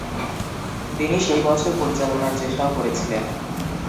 তিনি সেই বছর পরিচালনার চেষ্টাও করেছিলেন।